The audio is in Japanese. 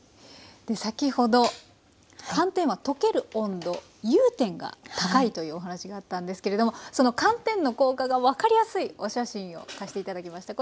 先ほど寒天は溶ける温度融点が高いというお話があったんですけれどもその寒天の効果が分かりやすいお写真を貸して頂きました。